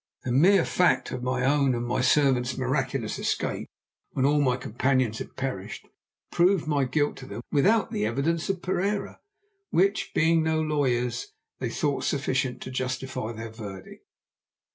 The mere fact of my own and my servant's miraculous escape, when all my companions had perished, proved my guilt to them without the evidence of Pereira, which, being no lawyers, they thought sufficient to justify their verdict.